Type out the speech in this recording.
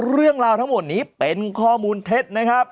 เรื่องราวทั้งหมดนี้เป็นข้อมูลเท็จนะครับ